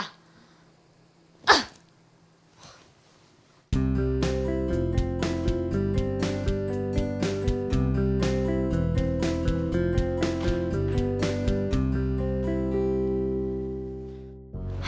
gue gak tahu